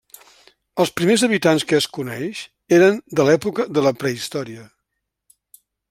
Els primers habitants que es coneix eren de l'època de la prehistòria.